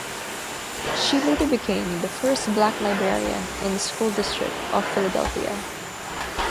She later became the first black librarian in the School District of Philadelphia.